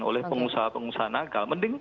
oleh pengusaha pengusaha nakal mending